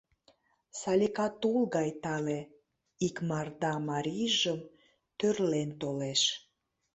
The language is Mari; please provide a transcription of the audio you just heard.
Салика тул гай тале, икмарда марийжым тӧрлен толеш.